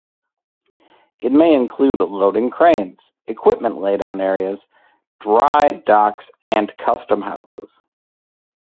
It may include loading cranes, equipment laydown areas, dry docks and custom houses.